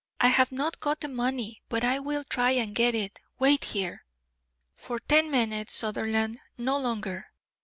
I have not got the money, but I will try and get it. Wait here." "For ten minutes, Sutherland; no longer!